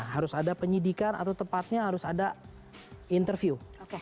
harus ada penyidikan atau tepatnya harus ada interview